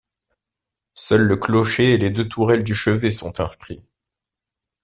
Seuls le clocher et les deux tourelles du chevet sont inscrits.